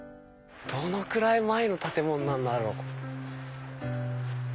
どのくらい前の建物なんだろう？